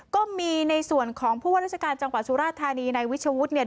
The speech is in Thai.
ก็มีในส่วนของผู้ว่าราชการจังหวัดสุราธานีในวิชวุฒิเนี่ย